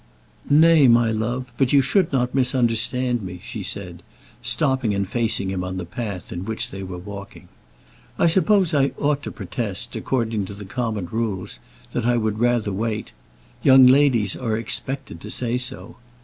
"Nay, my love; but you should not misunderstand me," she said, stopping and facing him on the path in which they were walking. "I suppose I ought to protest, according to the common rules, that I would rather wait. Young ladies are expected to say so.